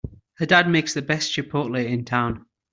Her dad makes the best chipotle in town!